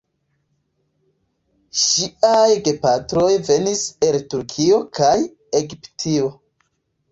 Ŝiaj gepatroj venis el Turkio kaj Egiptio.